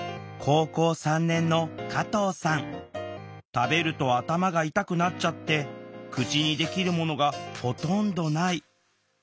食べると頭が痛くなっちゃって口にできるものがほとんどない。